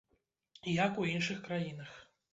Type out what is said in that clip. Як у іншых краінах.